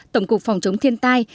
tổng cục phòng chống thiên tai